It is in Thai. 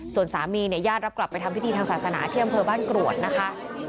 ส่วนสามีเนี่ยญาติรับกลับไปทำพิธีทางศาสนาที่อำเภอบ้านกรวดนะคะ